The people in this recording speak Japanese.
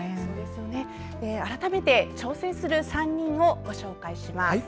改めて、挑戦する３人をご紹介します。